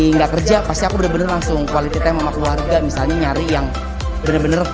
nggak kerja pasti aku bener bener langsung quality time sama keluarga misalnya nyari yang bener bener